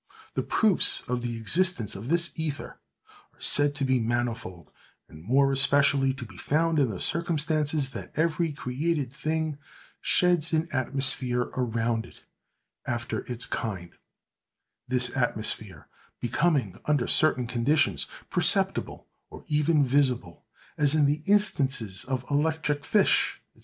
The proofs of the existence of this ether are said to be manifold, and more especially to be found in the circumstances that every created thing sheds an atmosphere around it, after its kind; this atmosphere becoming, under certain conditions, perceptible or even visible, as in the instances of electric fish, &c.